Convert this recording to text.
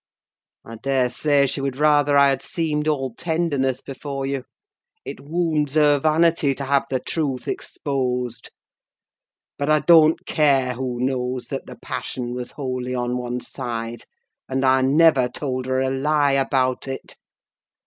I daresay she would rather I had seemed all tenderness before you: it wounds her vanity to have the truth exposed. But I don't care who knows that the passion was wholly on one side: and I never told her a lie about it.